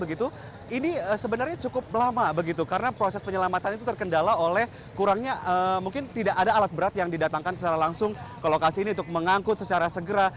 ini sebenarnya cukup lama begitu karena proses penyelamatan itu terkendala oleh kurangnya mungkin tidak ada alat berat yang didatangkan secara langsung ke lokasi ini untuk mengangkut secara segera